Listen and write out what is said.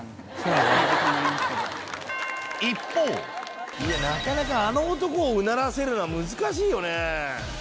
一方あの男をうならせるのは難しいよね。